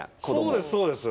そうですそうです。